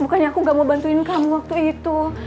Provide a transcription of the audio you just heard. bukannya aku gak mau bantuin kamu waktu itu